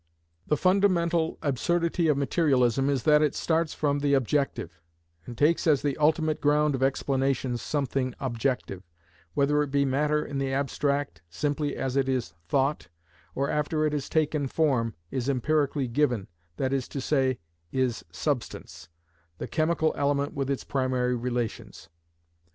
The fundamental absurdity of materialism is that it starts from the objective, and takes as the ultimate ground of explanation something objective, whether it be matter in the abstract, simply as it is thought, or after it has taken form, is empirically given—that is to say, is substance, the chemical element with its primary relations.